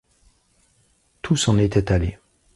Tout s’en était allé.